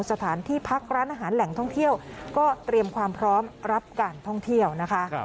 สถานที่พักร้านอาหารแหล่งท่องเที่ยวก็เตรียมความพร้อมรับการท่องเที่ยวนะคะ